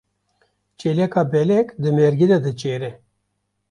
Çêleka belek di mêrgê de diçêre.